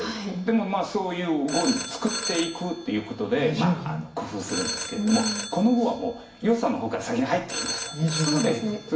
でもそういう碁に作っていくということで工夫するんですけれどもこの碁はもう余さんの方から先に入ってきましたので。